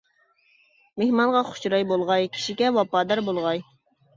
مېھمانغا خۇش چىراي بولغاي، كىشىگە ۋاپادار بولغاي.